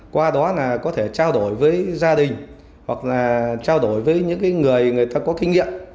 qua đó là có thể trao đổi với gia đình hoặc là trao đổi với những người người ta có kinh nghiệm